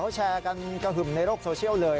เขาแชร์กันกระหึ่มในโลกโซเชียลเลย